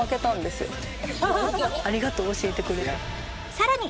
さらに